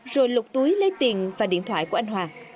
rồi lục túi lấy tiền và điện thoại của anh hòa